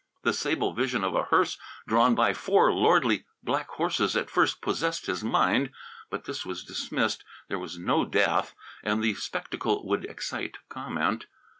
The sable vision of a hearse drawn by four lordly black horses at first possessed his mind. But this was dismissed; there was no death! And the spectacle would excite comment.